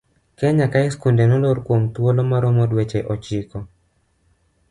Kenya kae skunde nolor kuom thuolo maromo dweche ochiko.